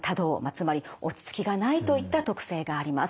つまり落ち着きがないといった特性があります。